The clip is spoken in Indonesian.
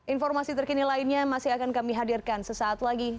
informasi terkini lainnya masih akan kami hadirkan sesaat lagi